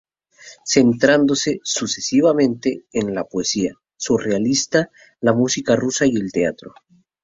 Centrándose, sucesivamente, en la poesía surrealista, la música rusa y el teatro.